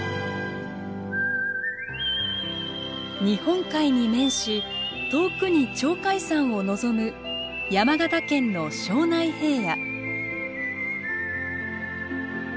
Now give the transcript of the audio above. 日本海に面し遠くに鳥海山を望む山形県の庄内平野。